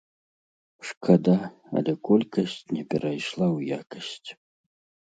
Шкада, але колькасць не перайшла ў якасць.